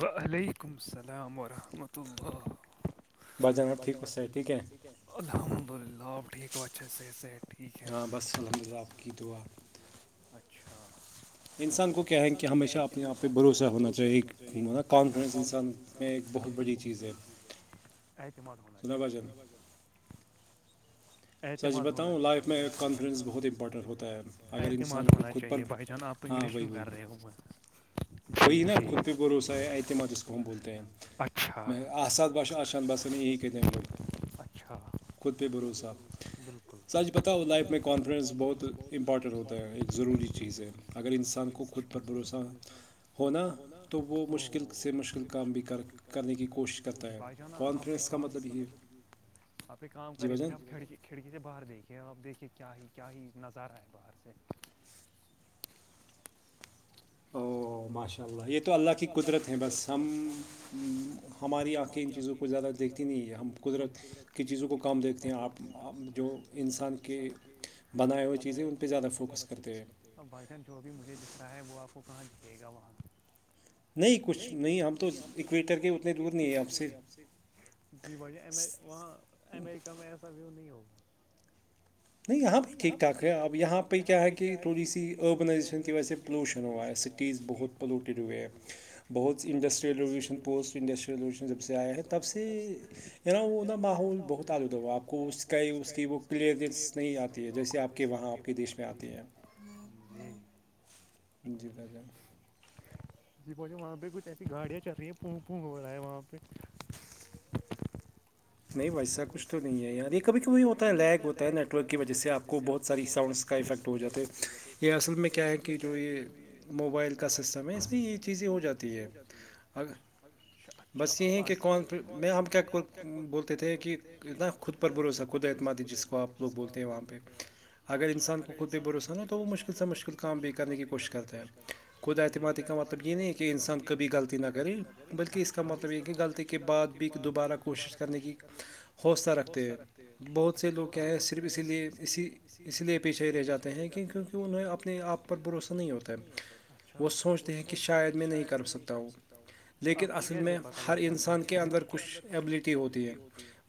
وعلیکم السلام ورحمۃ اللہ [inaudible] ب ج ٹھ ٹھ ہے الحمد اللہ آ ٹھیک و اچھایٹ [inaudible] ٹھیک ہے ہاں بساملہ آپ کی اچھا [inaudible] انسان کو کہیں کہ ہمیشہ آپ یہاں پہ بھروسہ ہونا چاہیے ایک اچھا کانفیڈنس انسان ایک بہت بڑی چیز ہے اعتماد ہونا چاہیے ہے اعتماد ہونا چاہیے اعت اعتماد ہونا چاہیے بھائی جان آپ تو انگلش کیوں کر رہے ہو ہم وہی نا خود پہ بھروسہ اعتماد اسس کو ہم بولتے ہیں آساد باش آشااد باسا نے یہ گدم بل کتے بھروسہ بالکل سچ بت ہو ل میں کانفیڈنس بہت امپورٹنٹ ہوتا ہے ضروری چیزیں اگر انسان کو خود طسان ہونا مشکل سے مشکل کام بھی کرنے کی کوشش نا آپ کام آپ کام کرے پہلے آپ کھڑکی کھڑکی سے باہر دیکھے آپ دیکھیے کیا ہی کیا ہی نظارہ ہے باہر سے او ماشاء اللہ یہ تو اللہ کی قدرت ہے بس ہم ہماری آنکھیں ان چیزوں کو زیادہ دیکھتی نہیں ہے ہم قدرت کی چیزوں کو کم دیکھتے ہیں آپ جو انسان کے بنائے ہوئے چیزیں ان پہ زیادہ فوکس کرتے ہیں اور بھائی جان جو بھی مجھے دکھ رہا ہے وہ آپ کو کہاں دکھے گا وہاں نہیں کچھ نہیں ہم تو اکویٹ کر کے اتنے دور نہیں ہیں آپ سے جی بھائی وہاں امریکہ میں ایسا ویو نہیں ہوگا نہیں یہاں پ بھی ٹھیک ٹھاک ہے اب یہاں پہ کیا ہے کہ تھوڑی سی اربنائزیشن کی وجہ سے پولوشن ہوا ہے سٹیز بہت پولوٹیڈ ہوئے ہیں بہت انڈسٹریل ریویولوشن پوسٹ انڈسٹری شن جب سے آیا ہے تب سے ہے نا وہ نا ماحول بہت آلودہ ہوا آپ کو اس کا اس کی وہ پلی دس نہیں نہیں آتی ہے جیسے آپ کے وہاں آپ کے دیش میں آتی ہے جی انندی رازہ جی پہنچے وہاں پہ کچھ ایسی گاڑیاں چل رہی ہیں پونک پونک ہو رہا ہے وہاں پہ نہیں ویسا کچھ تو نہیں ہے یار یہ کبھی کبھی ہوتا ہے لگ ہوتا ہے نیٹ ورک کی وجہ سے آپ کو بہت ساری ساؤنڈس کا افیکٹ ہو جاتا ہے یہ اصل میں کیا ہے کہ جو یہ موبائل کا سسٹم ہے اس میں یہ چیزیں ہو جاتی اچھا کہ کون میں ہم کیا تھے کہ اتنا خود پر بھروسہ خود اعتمادی جس کو آپ لوگ بولتے ہیں وہاں پہ اگر انسان کو خود پہ بھروسہ نہ تو وہ مشکل سے مشکل کام بھی کرنے کی کوشش کرتے ہیں خود اعتمادی کا مطلب یہ نہیں ہے کہ انسان کبھی غلطی نہ کرے بلکہ اس کا مطلب یہ کہغلطی کے بعد بھی ایک دوبارہ کوشش کرنے کی لیک حوصہ رکھتے ہوئے بہت سے لوگ کیا ہیں صرف اسی لیے اسی اس لیے پیچھے رہ جاتے ہیں کہ کی اپنے آپ پر بھروسہ نہیں ہوتاھ وہ سوچتے ہیں کہ شاید میں نہیں کر سکتا ہوں تو آپ کو کیسے پتا وہ کیا ایبلٹی ہوتی ہے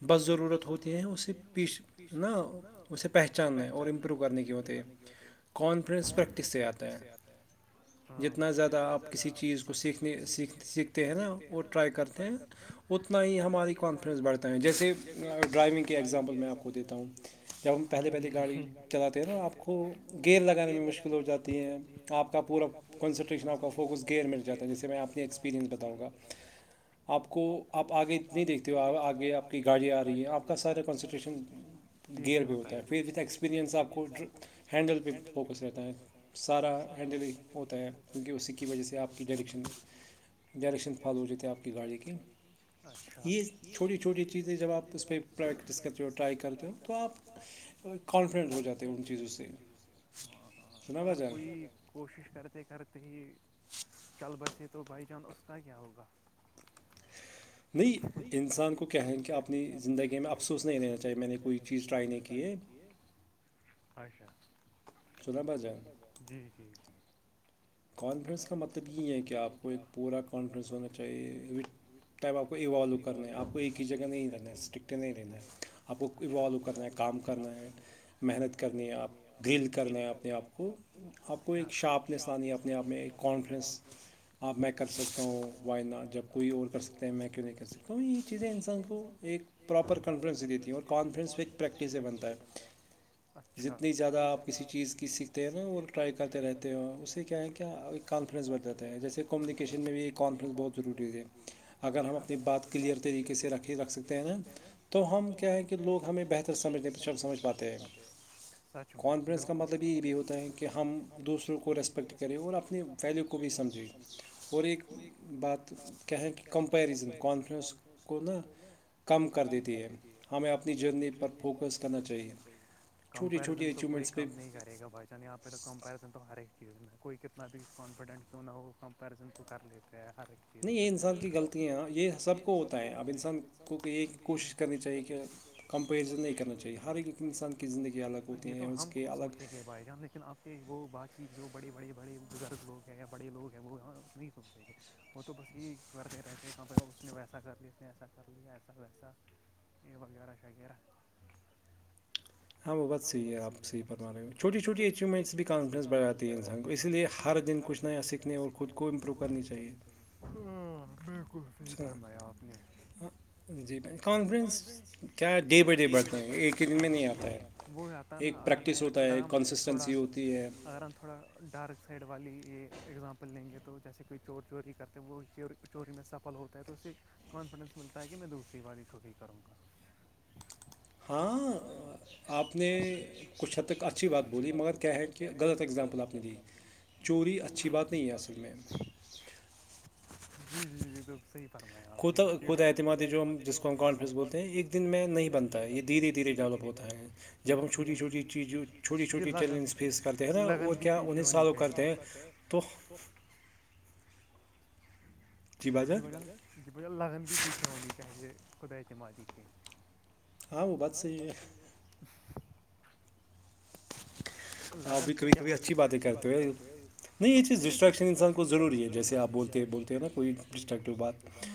بس ضرورت ہوتی ہے اسے پیش نہا اسے پہچاننے اور امپروو کرنے کی ہوتے ہیں کانفیڈنس پریکٹس سے آاتا ہے جتنا زیادہ آپ کسی چیز کو سیکھنے سھ سیکھتے ہیں نا اور ٹرائی کرتے ہیں نہیں ہماری کانفیڈنس بڑھ ہیں جیسے ڈرائیونگ کے ایگزامپل میں آپ کو دیتا ہوں جب ہم پہلے پہلے گاڑی چلاتے ہیں نا آپ کو کو گیئر لگانے میں مشکل ہو جاتی ہے آپ کا پورا کنسنٹریشن آپ کا فوکس گیئر مل ہے جتا جسے میں اپنی ایکسپیرئنس بتاؤں گا آپ کو آپ آگے اتنے دیکھتے ہو آ آگے آپ کی گاڑیا آ رہی ہیں آپ کا سارا کنسٹریشن گیئر پہ ہوتا ہے پھر وتھ ایکسپریئنس آپ کو ہینڈل پہ فوکس رہتا ہے سارا ہینڈل ہوتا ہے کیونکہ اسی کی وجہ سے آپ کی ڈائرکشن ڈن ڈرشن فالو ہو ج آپ کی گاڑی کے اچھا یہ چھوٹی چھوٹی چیزیں جب آپ اسس پر پریکٹس کرتے ہو ٹرائی کرتے ہو تو آپ کانفیڈٹ ہو جاتے ان چیزوں سے ہاں ہاں اگر کوئی کوشش کرتے کرتے ہی بسے تو بائی چانس اس کا کیا ہوگا نہیں انسان کو کہیں کہ اپنی زندگی میں افسوس نہیں رہنا چاہیے میں نے کوئی چیز ٹرائی نہیں کی ہے اچھا جی جٹی جی کانفیڈنس کا مطلب یہ ہے کہ آپ کو ایک پورا کانفیڈنس ہونا چاہیے وٹ ائم آپ کو اوالو کرنے آپ آپ کو ایک ہی جگہ نہیں رہنا ہے اسٹرکٹیں نہیں رہین ہے آپ کو ایوالو کرنا ہے کام کرنا ہے محنت کرنی ہے آپ گل کرنا ہے اپنے آپ کو آپ کو ایک شارپنیس لنی ہے آپ اپنے آپ میں کانفرینس آپ میں کر سکتا ہوں وائی ن جب کوئی اور کر سکتا ہیں میں کوئی چیزیں انسان کو ایک پراپر کانفیڈینس دیتی ہیں اور کانفیڈینس بھی ایک پریکٹس سے بنتا ہے جتنی زیادہ آپ کسی چیز کی سیکھتے ہیں نا وہ ٹرائی کرتے رہتے ہیں اسے کیا ہے کہ کیا ایک کانفیڈنس بن جاتا ہے جیسے کمیونیکیشن میں بھی ایک کانفڈنس بہت ضروری ہے اگر ہم اپنی بات کلیئر طریقے سے رکھے رکھ سکتے ہیںا تو ہم کیا ہیں کہ لوگ ہمیں بہتر سمجھنے پچھڑ سمجھ پاتے ہیں کانفیڈنس کا مطلب یہ بھی ہوتا ہے کہ ہم دوسروں کو ریسپیکٹ کرتے ہیں کریں اور اپنی ویلیو کو بھی سمجھیں اور ایک بات کہیں کہ کمپیرزن کانفرنس کون کم کر دیتی ہے ہمیں اپنی جرنی پر فوکس کرنا چاہیے کمپیرزن تو کوئی کم نہیں کرے گ بھائی چان یہاں پہ تو کمپیرزن تو ہر ایک چیز میں کوئی کتنا بھی کانفیڈینٹ کیوں نہ ہو کمپیرزن تو کر لیتا ہر ایک چیز پ نہیں یہ انسان کی غلطیاں ہیں یہ سب کو ہوتا ہے اب انسان کو کہ ایک کوشش کرنی چاہیے کہ کمپریزن نہیں کرنا چاہیے یہ تو ہم کو سوچیں گے بھائی جان لیکن اب کہ وہ باقی جو بڑے بڑے بڑے بزرگ لوگ ہیں یا بڑے لوگ ہیں وہ نہیں سوچیں گے وہ تو بس یہی کرتے رہتے کہاں اس نے ویسا کر لیا نے ایسا کر لیا ایسا ویسا یہ وغیرہ شغیرہ [unintelligible] ہاں وہ بتحیح ہے آپحیحت م رہے ہیں چھوٹی چھوٹیچیوومنٹس بھی کانفیڈینسڑھاتی ہے انسان کو اس لیےر دنچھ سنا یا سیکھنے اور خود کو امپرو کرنی چاہیے ہاں بالکل صحیح فرمایا آپ نے [unintelligible] کانفنس کیا ڈے بائی ڈے بڑھتا ہے نہیں آتا نا اگر میں ا تھوڑا تھوڑا ڈارک سائڈ والی یہ اگزامپل لیں گے تو جیسے کوئی چور چوری کرتے وہ چور چوری میں سفل ہوتا ہے تو اسے کانفیڈینس ملتا ہے کہ میں دوسری پھ والی چوری کروں گا ہاں آپ نے کچھ حد تک اچھی بات بولی مگر کیا ہے کہ غلط اگزامپل آپ چوری اچھی بات نہیں ہے س جی جی یہ تو صحی فرمایا آپ نے اعم جو جس کو ہم کانفرنس بولتے ہیں ایک دن میں نہیں بنتا ہے یہ دھیرے دھیرے جاغت ہوتے ہیں وٹی لگ لگن بھی پیش ہوانی چاہ توخ لگن بھی پیچھے ہوتی چاہے یہ خدائےت مادی کے ہاں وہ بات صحیح ہے ا لگن سے کیا ہوگی اچھی باتیں کرتے ہو نہیں یہ چیز ڈسٹریکشن انسان کو ضوری ہے جیسے آپ بولتے بولتے نا کوئی ڈسٹریکشن بار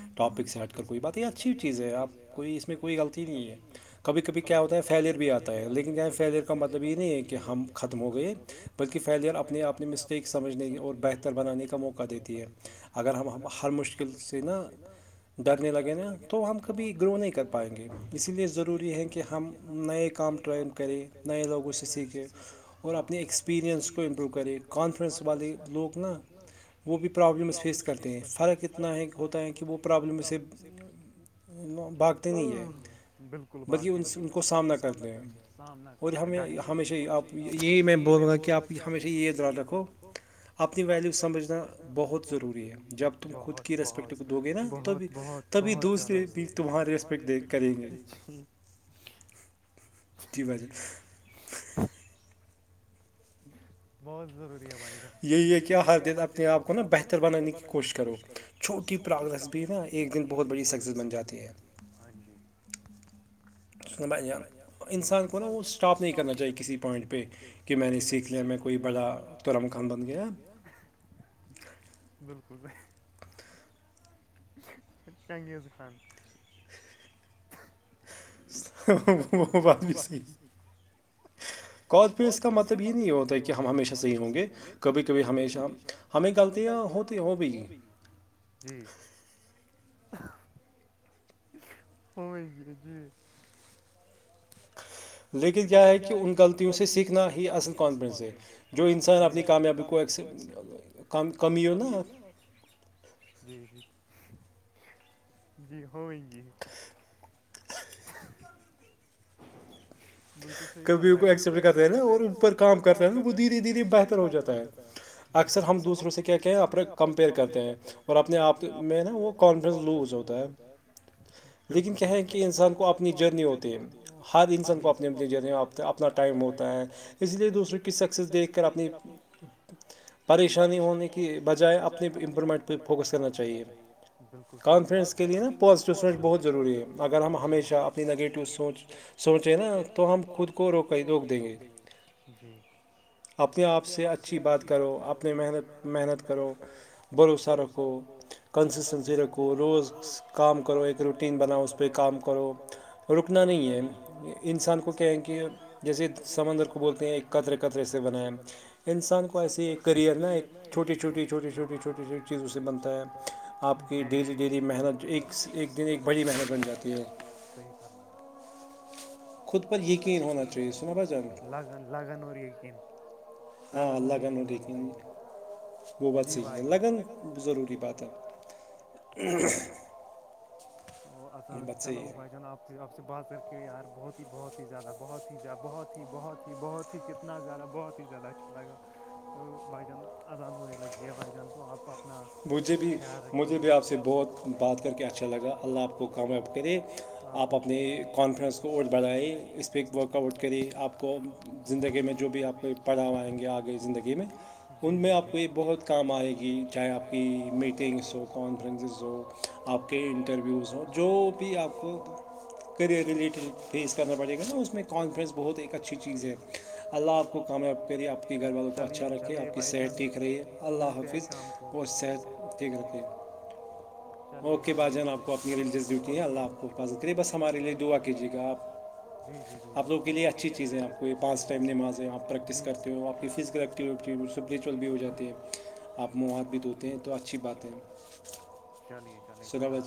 ٹاپک سیٹ کر کوئی بات یہ اچھی چیز ہے اپ کوئی اس میں کوئی غلطی نہیں ہے کبھی کبھی کیا ہوتا ہے فیلیئر بھی آتا ہے لیکن یہ فیلیئر کا مطلب یہ نہیں ہے کہ ہم ختم ہو گئے بلکہ فیلئر اپنے اپنے مسٹیک سمجھنے اور بہتر بنانے کا موقع دیتی ہے اگر ہم ہر مشکل سے نا ڈرنے لگے نا تو ہم کبھی گرو نہیں کر پائیں گے اسی لیے ضروری ہے کہ ہم ہم نئے کام ٹرائن کریں نئے لوگوں سے سیکھے اور اپنے ایکسپیرئنس کو امپروو کرے کانفیڈنس والے لوگ نا وہ بھی پرابلمس فیس کرتے ہیں فرق اتنا ہے ہوتا ہے کہ وہ پرابلم سے بالکل بغ سامنا کر ہشہ ہیپ یہی میں بولوں گا کہ آپ ہمیشہ یہ برادر کو اپنی ویلو سمجھنا بہت ضروری ہے بہت بہت بہت بہت بہت کر کی وجہ بہت ضروری ہے بھائی جان یہ یہ کہ ہر دل اپنے آپ کو نا بہتر بنانے کی کوشش کرو چھوٹی پرابلم ایک دن بہت بڑی سک بن جاتی ہے جی انسان کو نا وہ اسٹاپ نہیں کرنا چاہیے کسی پوائنٹ پہ کہ میں نے سیکھ میں کوئی بڑا چرم کام بند گیا بالکل چنگیز خان بات بھی صی کال پہ اس کا مطلب یہ نہیں ہوتا ہے کہ ہم ہمیشہ صحیح ہوں گے کبھی کبھی ہمیشہ ہمیں گلط ہے وہ تو ہو بھی گی جی ہو جی جی لیکن کیا ہے کہ ان غلطیوں سے سیکھنا ہی اصل کونس ہے جو انسان اپنی کامیابی کو ایکس کم کمی ہو جی جی جی ہوئیں گی [inaudible] بالکل صح فرمپٹ کرتے ہیں نا اور اوپر کام کرتا ہے نا وہ دھیرے دھیرے بہتر ہواتا ہے اکثر ہم دوسروں سے کیا کہیں اپنا کمپیئر کرتے ہیں اور اپنے آپ میں نا وہ کانفیڈینس لوز ہوتا بالکل لیکن کہیں کہ انسان کو اپنی جرنی ہوتی ہے ہر انسان کو اپنا ٹم ہوتا ہے اس لیے دوسروں کی سکسیس دیکھ کر اپنی پریشانی ہونے کی بجائے اپنی امپرومنٹ پہ فوکس کرنا چاہیے بالکل صحیح کانفڈنس کے لیے نا پازیٹیو سرچ بہتضروری ہے اگر ہم ہمیشہ اپنی نگیٹو سوچ سوچے نا تو ہم خود کو روک ہی روک دیں گے جی اپنے آپ سے اچھی بات کرو اپنے محنت محنت کرو بھرو سا رکھو کانسسٹنسی رکو روز کام کرو ایک روٹین بنو پ کام کرو اتنا نہیں ہے انسان کو کہیں کہ جیسے سمندر کو بولتے ہیں ایک قتر قتر سےے بنائیں انسان کو ایسی کرئر نا ایک چوٹی چھوٹی چھوٹی چھوٹی چھوٹی چھوٹی چیزوں سے بنتا ہے ڈیلی ڈیلی محنت ایک د بڑی محنت بن جاتی ہےحی کرنا لگن اور یقین ہاں اللہگن دیکن وہ بات صحیح لگن ضروری پاتیں آسان چلو بھائی جان آپ سے آپ سے بات کر کے یار بہت ہی بہت ہی زیادہ بہت ہی زیادہ بہت ہی بہت ہی بہت ہی کتنا زیادہ بہت ہی زیادہ اچھا لگا تو بھائی جان آزان ہونے لگ گیا بھائی جان تو آپ مجھے بھی آپ سے بہت بات کر کے اچھا لگا اللہ کو کامیاب کےے اپنے کانفڈنس کو ووٹ بڑھائی اس پ ورک آؤٹ کری آپ کو زندگی میں جو بھی آپ کو پڑھا ہوئیں گے آگے زندگی میں ان میں آپ کو یہ بہت کام آئے گی چاہے آپ کی میٹنگس ہو ٹائم فنز ہو آپ کے انٹرویوز ہو جو بھی آپ کریئر رلیٹڈ فیس کرنا پڑ جے گا نا اس میں کانفیڈنس بہت ایک اچھی چیز ہے اللہ آپ کو کامیاب کرے آپ آپ کے گھر والوں کو اچھا رکھے آپ کی صحت ٹھیک رہیے اللہ حافظ اس سے ٹھیک رہتی اوکے با جان آپ اپنی رلیجس ڈیوٹی ہے اللہ آپ کو پاازل کریے بس ہمارے دعاجیے گا آپ آپ لوگ کے لیے اچھی چیزیں آپ کو یہ پانس ٹائم نمازیں آپ پریکٹس کرتے ہو آپ کی فزیکل سبچل بھی ہو جاتے ہیں آپ من ہاتھ بھی دھوتے ہیں تو اچھی بات ہے سنا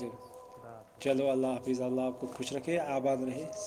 چلو اللہ حافظ اللہ آپ کو خوش رکھے آباد رہے